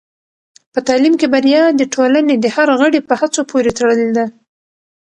په تعلیم کې بریا د ټولنې د هر غړي په هڅو پورې تړلې ده.